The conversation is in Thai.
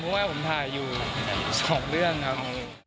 เพราะว่าผมถ่ายอยู่๒เรื่องครับ